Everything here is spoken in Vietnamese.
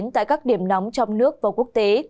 tại các điểm nóng trong nước và quốc tế